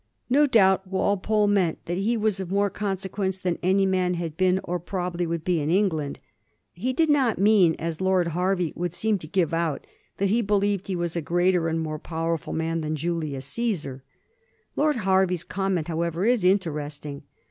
No doubt Walpole meant that he was of more consequence than any man had been or prob ably would be in England. He did not mean, as Lord Hervey would seem to give out, that he believed he was a greater and more powerful man than Julius CsBsar. Lord Hervey 's comment, however, is interesting.